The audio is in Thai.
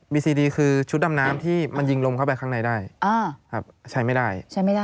มีซีดีคือชุดดำน้ำที่มันยิงลมเข้าไปข้างในได้ใช้ไม่ได้ใช้ไม่ได้